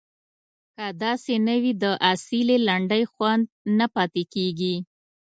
که داسې نه وي د اصیلې لنډۍ خوند نه پاتې کیږي.